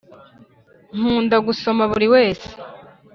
nkunda gusoma buriwese